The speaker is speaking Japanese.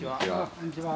こんにちは。